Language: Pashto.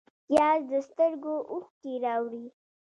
پیاز د سترګو اوښکې راوړي